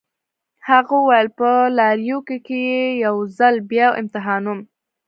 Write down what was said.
هغه وویل: په لایریکو کي يې یو ځل بیا امتحانوم.